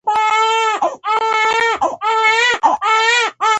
ځکه چې هغه زما سوداګریز شریک دی